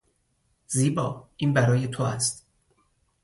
زیبا، این برای تو است.